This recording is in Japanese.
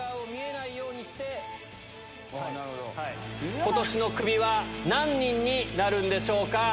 ことしのクビは、何人になるんでしょうか。